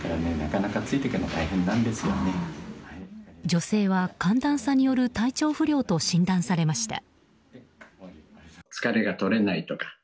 女性は寒暖差による体調不良と診断されました。